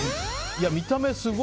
見た目すごい。